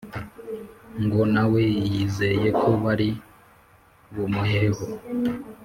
ngo nawe yizeye ko bari bumuheho